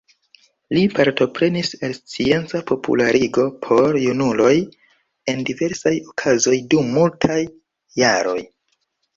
Li partoprenis al scienca popularigo por junuloj en diversaj okazoj dum multaj jaroj.